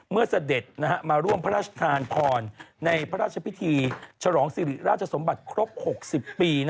เสด็จมาร่วมพระราชทานพรในพระราชพิธีฉลองสิริราชสมบัติครบ๖๐ปี